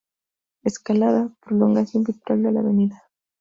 Escalada, prolongación virtual de la Av.